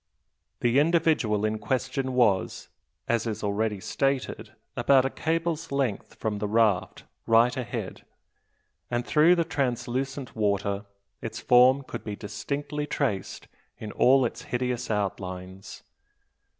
The individual in question was, as is already stated, about a cable's length from the raft, right ahead; and through the translucent water its form could be distinctly traced in all its hideous outlines.